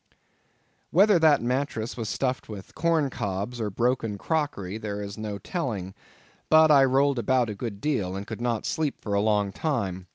Whether that mattress was stuffed with corn cobs or broken crockery, there is no telling, but I rolled about a good deal, and could not sleep for a long time.